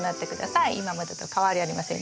今までと変わりありません。